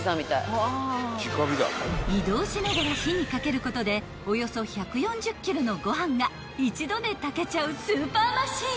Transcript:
［移動しながら火にかけることでおよそ１４０ｋｇのご飯が一度で炊けちゃうスーパーマシン］